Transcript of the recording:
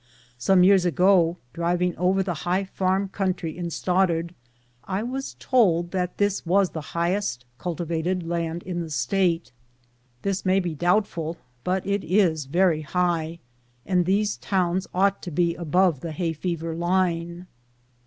Some years ago, driving •over the high farm country in Stoddard, I was told that this was the highest cultivated land in the State. This may be doubtful, but it is very high, and these towns ought to be above the hay fever line.